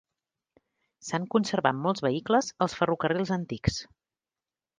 S'han conservat molts vehicles als ferrocarrils antics.